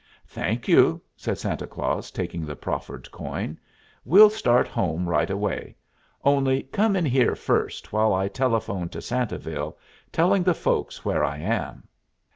"Thank you," said Santa Claus, taking the proffered coin. "We'll start home right away; only come in here first, while I telephone to Santaville, telling the folks where I am."